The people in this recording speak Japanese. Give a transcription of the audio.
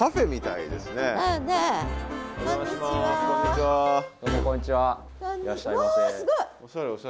いらっしゃいませ。